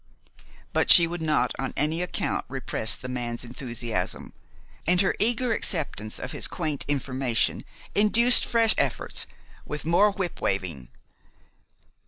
But she would not on any account repress the man's enthusiasm, and her eager acceptance of his quaint information induced fresh efforts, with more whip waving.